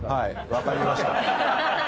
分かりました。